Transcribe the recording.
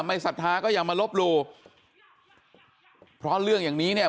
ศรัทธาก็อย่ามาลบหลู่เพราะเรื่องอย่างนี้เนี่ย